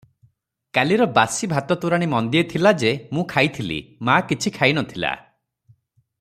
କାଲିର ବାସି ଭାତ ତୋରାଣି ମନ୍ଦିଏ ଥିଲା ଯେ ମୁଁ ଖାଇଥିଲି- ମାଆ କିଛି ଖାଇ ନଥିଲା ।